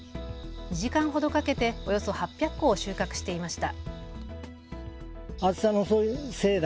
２時間ほどかけておよそ８００個を収穫していました。